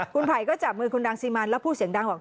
คุณภัยก็จับมือคุณดังซีมันแล้วพูดเสียงดังว่า